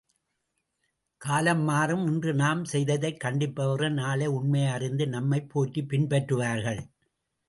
காலம்மாறும் இன்று நாம் செய்ததைக் கண்டிப்பவர்கள் நாளை உண்மையை அறிந்து நம்மைப் போற்றிப் பின்பற்றுவார்கள்.